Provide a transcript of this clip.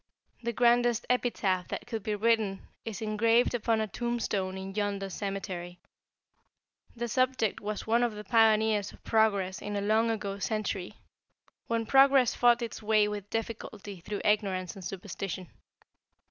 The grandest epitaph that could be written is engraved upon a tombstone in yonder cemetery. The subject was one of the pioneers of progress in a long ago century, when progress fought its way with difficulty through ignorance and superstition.